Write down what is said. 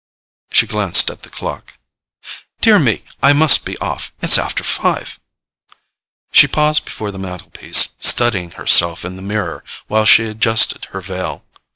She glanced at the clock. "Dear me! I must be off. It's after five." She paused before the mantelpiece, studying herself in the mirror while she adjusted her veil.